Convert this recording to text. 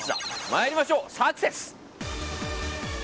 参りましょう、サクセス！